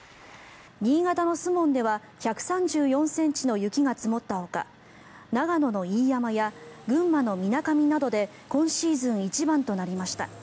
新潟の守門では１３４ｃｍの雪が積もったほか長野の飯山や群馬のみなかみなどで今シーズン一番となりました。